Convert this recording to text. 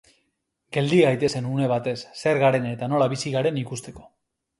Geldi gaitezen une batez, zer garen eta nola bizi garen ikusteko.